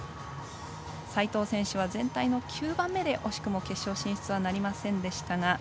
齋藤選手は全体の９番目で惜しくも決勝進出はなりませんでしたが